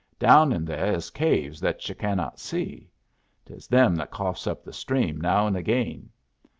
Down in there is caves that yu' cannot see. 'Tis them that coughs up the stream now and agayn.